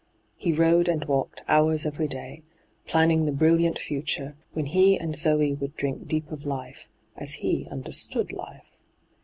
He rode and walked hours every day, planning the brilliant future, when 6—2 n,aN, .^hyG00glc 84 ENTRAPPED he and Zoe would drink deep of life, as he understood life.